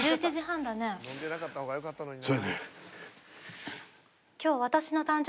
飲んでなかった方がよかったのにな。